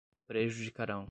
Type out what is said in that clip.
prejudicarão